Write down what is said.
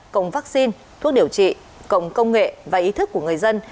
cộng vaccine thuốc điều trị cộng công nghệ và ý thức của người dân